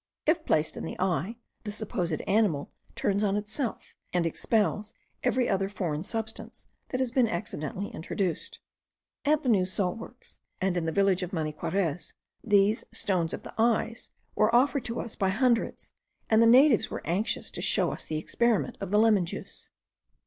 If placed in the eye, the supposed animal turns on itself, and expels every other foreign substance that has been accidentally introduced. At the new salt works, and at the village of Maniquarez, these stones of the eyes* were offered to us by hundreds, and the natives were anxious to show us the experiment of the lemon juice.